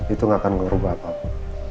itu gak akan merubah apa apa